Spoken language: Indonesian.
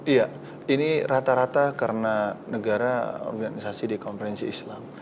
iya ini rata rata karena negara organisasi di konferensi islam